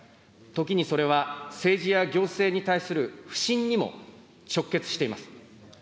時にそれは政治や行政に対する不信にも直結しています。